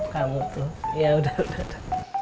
kamu tuh ya udah